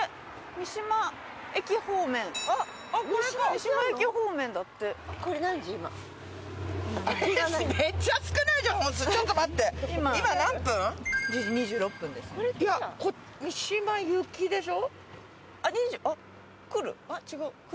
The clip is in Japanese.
三島行きでしょ。